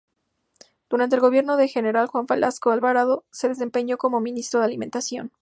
Durante el gobierno del General Juan Velasco Alvarado se desempeñó como Ministro de Alimentación.